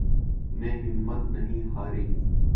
نے ہمت نہیں ہاری